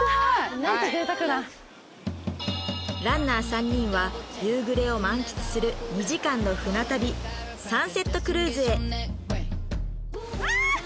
何て贅沢なランナー３人は夕暮れを満喫する２時間の船旅サンセットクルーズへああっ！